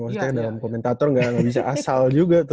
maksudnya dalam komentator nggak bisa asal juga tuh